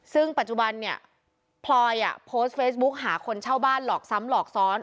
ซึ่งปัจจุบันเนี่ยพลอยโพสต์เฟซบุ๊กหาคนเช่าบ้านหลอกซ้ำหลอกซ้อน